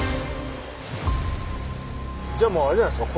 じゃもうあれじゃないすか。